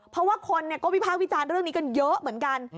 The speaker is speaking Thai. เพราะว่าคนก็วิพากษ์วิจารณ์เรื่องนี้กันเยอะเหมือนกัน